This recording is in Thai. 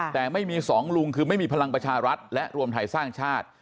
แต่ไม่มีสองลุงคือไม่มีพลังประชารัฐและรวมไทยสร้างชาติ